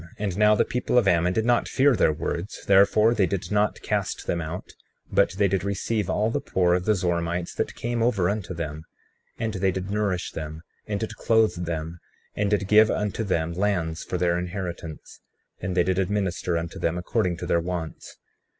And now the people of Ammon did not fear their words; therefore they did not cast them out, but they did receive all the poor of the Zoramites that came over unto them; and they did nourish them, and did clothe them, and did give unto them lands for their inheritance; and they did administer unto them according to their wants.